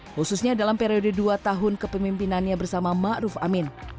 khususnya dalam periode dua tahun kepemimpinannya bersama ma'ruf amin